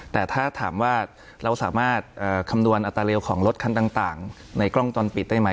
แต่ถ้าถามว่าเราสามารถคำนวณอัตราเร็วของรถคันต่างในกล้องจรปิดได้ไหม